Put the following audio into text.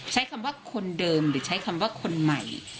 ใช้คำว่าคนเดิมหรือใช้คำว่าคนใหม่